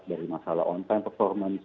dari masalah on time performance